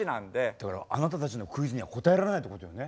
だからあなたたちのクイズには答えられないってことよね。